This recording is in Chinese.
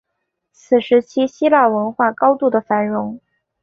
此时期希腊文化高度的繁荣